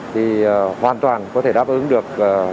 thì hoàn toàn có thể đáp ứng được